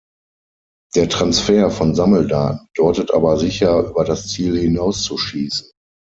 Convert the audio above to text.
Der Transfer von Sammeldaten bedeutet aber sicher, über das Ziel hinauszuschießen.